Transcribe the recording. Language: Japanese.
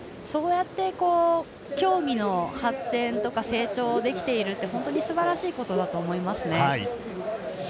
そうやって競技の発展とか成長ができているって本当にすばらしいことだと思いますね。